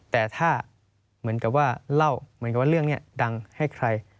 แต่ถ้าเหมือนกับว่าเล่าเหมือนกับว่าเรื่องนี้ดังให้ใคร